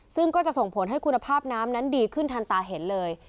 ซึ่งก็จะส่งผลให้คุณภาพน้ำนั้นดีขึ้นทันตาเห็นเลย